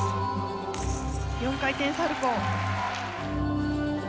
４回転サルコー。